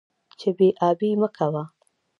چې بې ادبي مه کوه.